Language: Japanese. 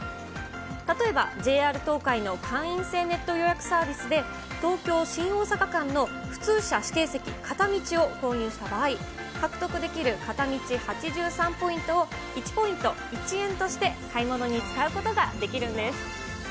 例えば、ＪＲ東海の会員制ネット予約サービスで、東京・新大阪間の普通車指定席片道を購入した場合、獲得できる片道８３ポイントを、１ポイント１円として買い物に使うことができるんです。